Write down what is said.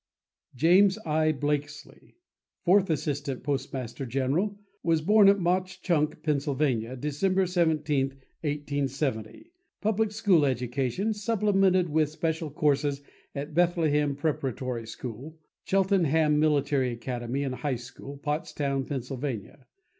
James I. Blakslee, Fourth Assistant Postmaster General, was born at Mauch Chunk, Pa., December 17, 1870. Public school education, supplemented with special courses at Bethlehem Preparatory School, Cheltenham Military Academy and High School, Pottstown, Pa.